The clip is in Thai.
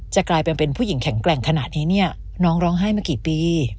จะกลายเป็นผู้หญิงแข็งแกร่งขนาดนี้น้องร้องไห้มากี่ปี